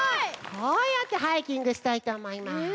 こうやってハイキングしたいとおもいます。